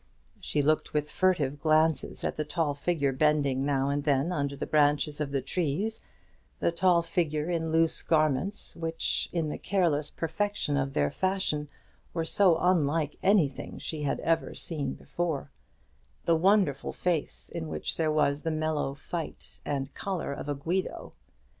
She looked with furtive glances at the tall figure bending now and then under the branches of the trees; the tall figure in loose garments, which, in the careless perfection of their fashion, were so unlike anything she had ever seen before; the wonderful face in which there was the mellow fight and colour of a Guido.